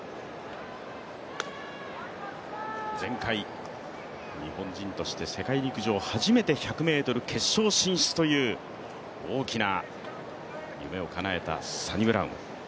前回、日本人として世界陸上初めて１００ｍ決勝進出という大きな夢を叶えサニブラウン。